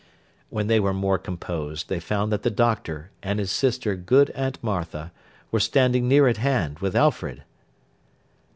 When they were more composed, they found that the Doctor, and his sister good Aunt Martha, were standing near at hand, with Alfred.